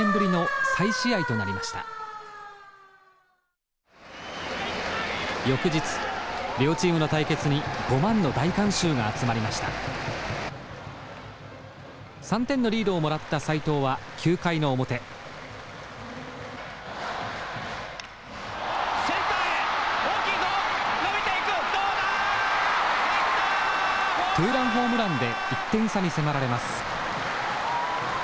ツーランホームランで１点差に迫られます。